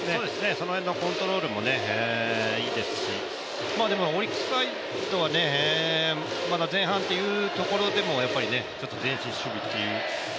その辺のコントロールもいいですしオリックスサイドはまだ前半というところでもやっぱり前進守備っていう。